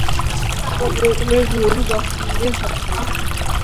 კვადრატული ღიობი გახსნილია სამხრეთით.